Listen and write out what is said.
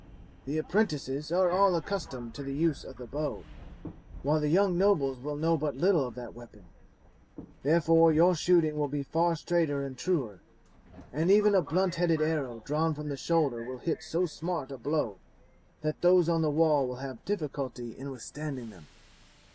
"The apprentices are all accustomed to the use of the bow, while the young nobles will know but little of that weapon; therefore your shooting will be far straighter and truer, and even a blunt headed arrow drawn from the shoulder will hit so smart a blow that those on the wall will have difficulty in withstanding them."